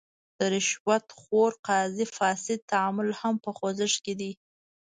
د رشوت خور قاضي فاسد تعامل هم په خوځښت کې دی.